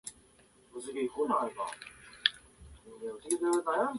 一般相対性理論と共に現代物理学の根幹を成す理論